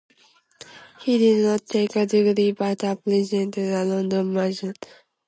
He did not take a degree but apprenticed to a London merchant.